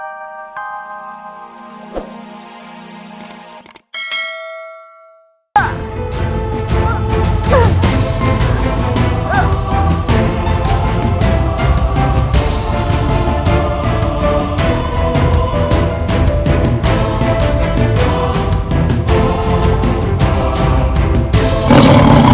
semoga alloh mati